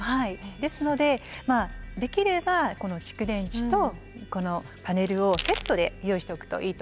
ですのでまあできればこの蓄電池とこのパネルをセットで用意しておくといいと思います。